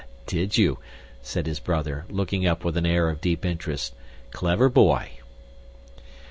"Did you?" said his brother, looking up with an air of deep interest. "Clever boy!"